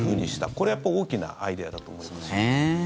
これはやっぱり大きなアイデアだと思います。